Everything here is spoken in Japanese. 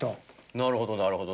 なるほどなるほど。